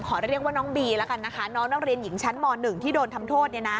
ขอเรียกว่าน้องบีแล้วกันนะคะน้องนักเรียนหญิงชั้นม๑ที่โดนทำโทษ